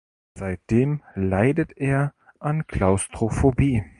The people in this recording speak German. Seitdem leidet er an Klaustrophobie.